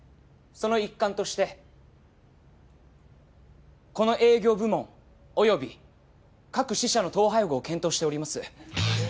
その一環としてこの営業部門及び各支社の統廃合を検討しております。